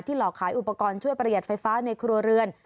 หลอกขายอุปกรณ์ช่วยประหยัดไฟฟ้าในครัวเรือน